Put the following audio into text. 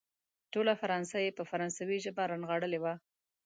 ټوله فرانسه يې په فرانسوي ژبه رانغاړلې وه.